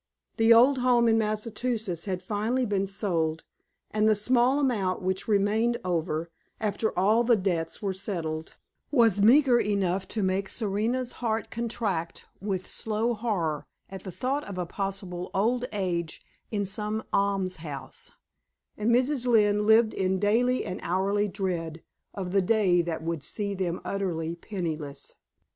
The old home in Massachusetts had finally been sold, and the small amount which remained over, after all the debts were settled, was meager enough to make Serena's heart contract with slow horror at the thought of a possible old age in some alms house, and Mrs. Lynne lived in daily and hourly dread of the day that would see them utterly penniless.